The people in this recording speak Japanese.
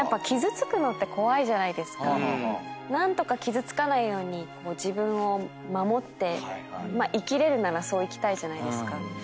傷つくのって怖いじゃないですか何とか傷つかないように自分を守って生きれるならそう生きたいじゃないですか。